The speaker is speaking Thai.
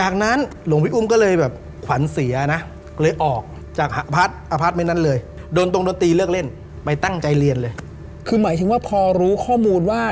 เคาะได้ตะโกนแบบว่า